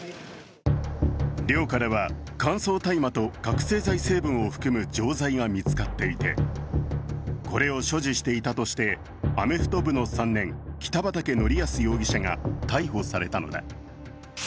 寮からは乾燥大麻と覚醒剤成分を含む錠剤が見つかっていてこれを所持していたとしてアメフト部の３年、北畠成文容疑者が逮捕されたのだ。